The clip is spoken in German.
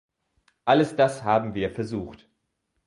Alles das haben wir versucht.